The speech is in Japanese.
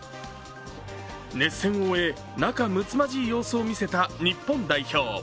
熱戦を終え、仲むつまじい様子を見せた日本代表。